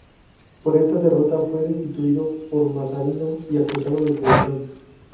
Por esta derrota fue destituido por Mazarino y acusado de traición.